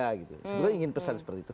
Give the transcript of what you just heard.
sebenarnya ingin pesan seperti itu